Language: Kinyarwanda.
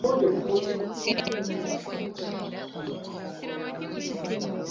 Sinshaka ko Mutesi yongera kwandikira umukobwa wanjye